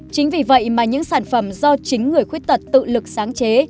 chính vì vậy mà những sản phẩm do chính người khuyết tật tự lực sáng chế